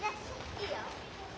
いいよ。